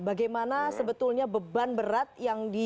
bagaimana sebetulnya beban berat yang di